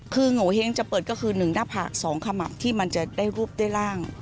คือโงเห้งจะเปิดก็คือ๑หน้าผาก๒ขมับที่มันจะได้รูปได้ร่าง